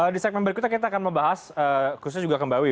di segmen berikutnya kita akan membahas khususnya juga kembali